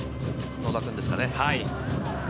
野田君ですかね。